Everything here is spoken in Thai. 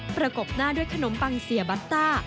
ประกบหน้าด้วยขนมปังเสียบัตต้า